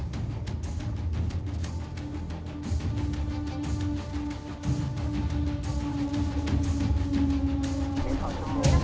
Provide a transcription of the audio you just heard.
แล้วทำไมฟันรถมันออกเหรอ